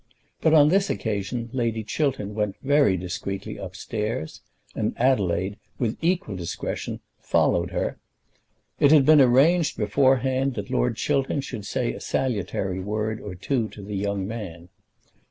But on this occasion Lady Chiltern went very discreetly upstairs, and Adelaide, with equal discretion, followed her. It had been arranged beforehand that Lord Chiltern should say a salutary word or two to the young man.